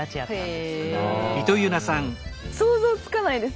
想像つかないです。